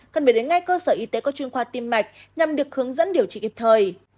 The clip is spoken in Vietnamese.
cần phải đến ngay cơ sở y tế có chuyên khoa tim mạch nhằm được hướng dẫn điều trị kịp thời